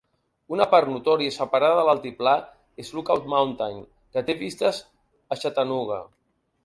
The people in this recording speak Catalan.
Una part notòria separada de l'altiplà és Lookout Mountain, que té vistes a Chattanooga.